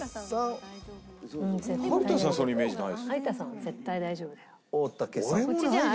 有田さんはそのイメージないです。